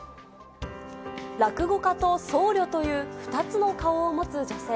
落語家と僧侶という、２つの顔を持つ女性。